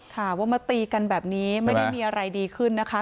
ค่ะว่ามาตีกันแบบนี้ไม่ได้มีอะไรดีขึ้นนะคะ